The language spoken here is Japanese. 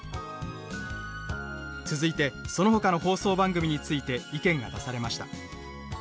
続いてそのほかの放送番組について意見が出されました。